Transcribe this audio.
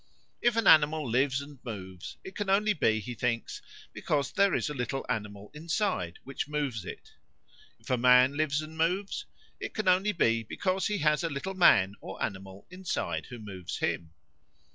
If an animal lives and moves, it can only be, he thinks, because there is a little animal inside which moves it: if a man lives and moves, it can only be because he has a little man or animal inside who moves him.